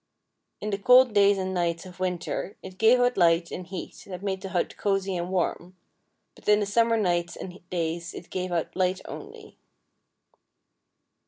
In the cold days and nights of winter it gave out light and heat that made the hut cozy and warm, but in the summer nights and days it gave out light only.